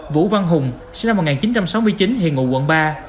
vũ văn hùng sinh năm một nghìn chín trăm sáu mươi chín hiện ngụ quận ba